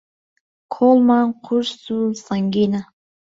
کۆڵمان قورس و سەنگینە